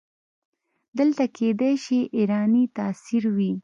دلته کیدای شي ایرانی تاثیر وي.